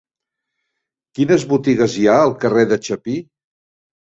Quines botigues hi ha al carrer de Chapí?